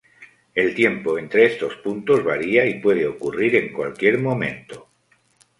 El tiempo entre estos puntos varía y puede ocurrir en cualquier momento.